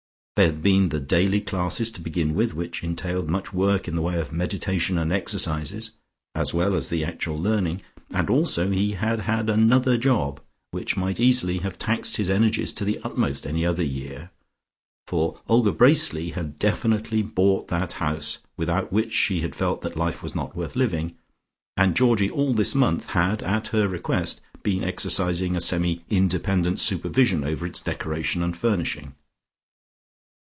There had been the daily classes to begin with, which entailed much work in the way of meditation and exercises, as well as the actual learning, and also he had had another job which might easily have taxed his energies to the utmost any other year. For Olga Bracely had definitely bought that house without which she had felt that life was not worth living, and Georgie all this month had at her request been exercising a semi independent supervision over its decoration and furnishing.